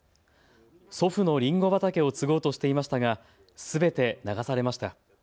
祖父のりんご畑を継ごうとしていましたがすべて流されました。